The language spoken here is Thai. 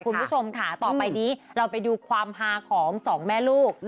คุณผู้ชมค่ะต่อไปนี้เราไปดูความฮาของสองแม่ลูก